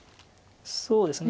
そうですね。